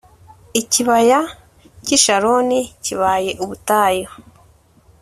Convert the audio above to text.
Ikibaya cy’i Sharoni kibaye ubutayu.